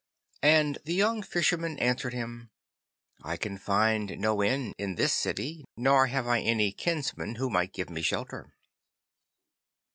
And the young Fisherman answered him, 'I can find no inn in this city, nor have I any kinsman who might give me shelter.